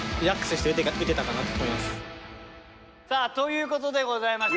さあということでございました。